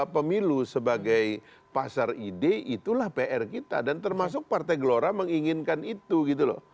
pemilu sebagai pasar ide itulah pr kita dan termasuk partai gelora menginginkan itu gitu loh